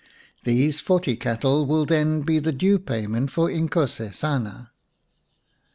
These forty cattle will then be the due payment for Inkosesana."